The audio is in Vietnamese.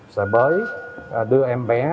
sẽ mới đưa em bé